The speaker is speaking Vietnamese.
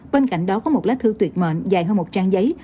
bên cạnh đó có một lá thư tuyệt mợn dài hơn một trang giấy